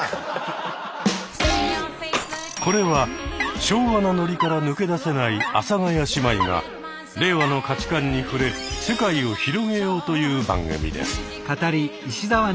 これは昭和のノリから抜け出せない阿佐ヶ谷姉妹が令和の価値観に触れ世界を広げようという番組です。